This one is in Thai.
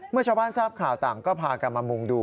เมื่อชาวบ้านทราบข่าวต่างก็พากันมามุงดู